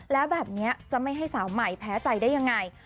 แล้วแบบนี้จะไม่ให้สาวใหม่แพ้ใจได้ยังไง